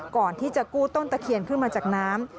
ก่อนที่จะกู้ต้นตะเคียนขึ้นมาจากน้ำ